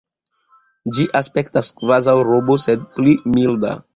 Ĝi aspektas kvazaŭ robo, sed pli milda.